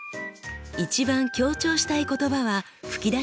一番強調したい言葉は吹き出しに書きます。